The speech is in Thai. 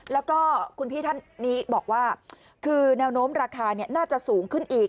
แล้วก็คุณพี่ท่านนี้บอกว่าคือแนวโน้มราคาน่าจะสูงขึ้นอีก